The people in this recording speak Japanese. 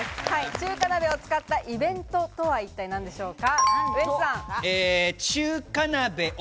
中華鍋を使ったイベントとは一体何でしょうか？